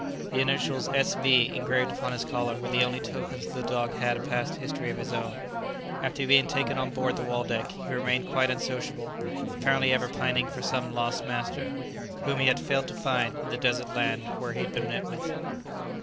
The initials S. V. engraved upon his collar were the only tokens that the dog had a past history of his own. After he had been taken on board the "Waldeck," he remained quite unsociable, apparently ever pining for some lost master, whom he had failed to find in the desert land where he had been met with.